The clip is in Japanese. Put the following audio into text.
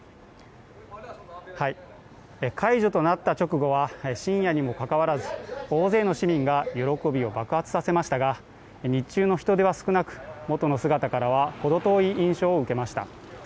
解除となった直後は、深夜にもかかわらず大勢の市民が喜びを爆発させましたが、日中の人出は少なく、元の姿からは程遠い印象を受けました。